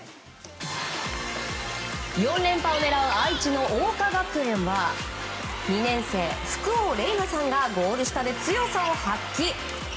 ４連覇を狙う愛知の桜花学園は２年生、福王伶奈さんがゴール下で強さを発揮。